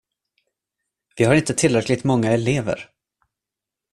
Vi har inte tillräckligt många elever.